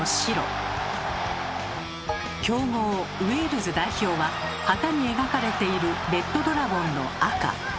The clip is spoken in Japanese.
強豪ウェールズ代表は旗に描かれているレッドドラゴンの赤。